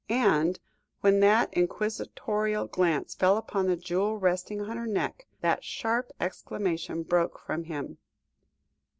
And when that inquisitorial glance fell upon the jewel resting on her neck, that sharp exclamation broke from him.